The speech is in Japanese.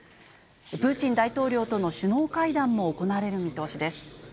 プーチン大統領との首脳会談も行われる見通しです。